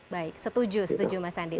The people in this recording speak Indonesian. baik setuju setuju mas andi